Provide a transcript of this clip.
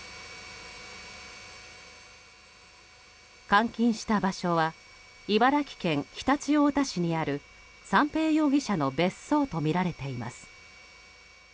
監禁した場所は茨城県常陸太田市にある三瓶容疑者の別荘とみられています。